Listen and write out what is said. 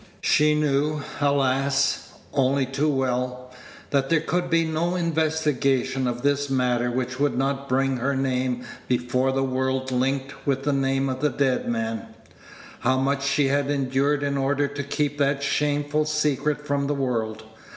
She knew alas! only too well that there could be no investigation of this matter which would not bring her name before the world linked with the name of the dead man. How much she had endured in order to keep that shameful secret from the world!